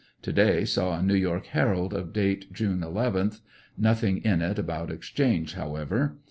To day saw a New York Herald of date June 11th, nothing in it about exchange, however.